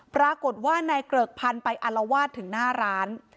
ปรากฏว่านายเกริกพันธุ์ไปอารวาสถึงหน้าร้าน